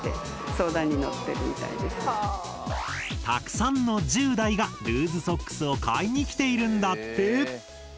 たくさんの１０代がルーズソックスを買いに来ているんだって。